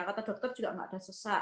kata dokter juga tidak ada sesak